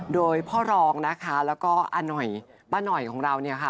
โดยพ่อรองนะคะแล้วก็อาหน่อยป้าหน่อยของเราเนี่ยค่ะ